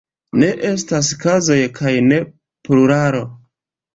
Ne estas kazoj kaj ne pluralo.